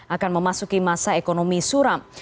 akan memasuki masa ekonomi suram